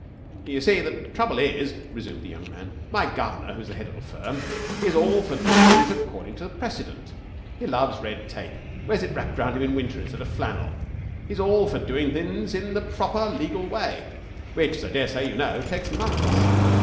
'You see, the trouble is,' resumed the young man, 'my governor, who's the head of the firm, is all for doing things according to precedent. He loves red tape wears it wrapped round him in winter instead of flannel. He's all for doing things in the proper legal way, which, as I dare say you know, takes months.